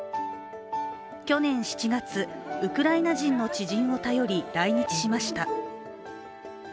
去年７月、ウクライナ人の知人を頼り来日しました。